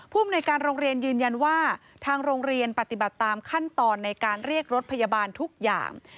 ภูมิในการโรงเรียนยืนยันว่าทางโรงเรียนปฏิบัติตามขั้นตอนในการเรียกรถพยาบาลทุกอย่าง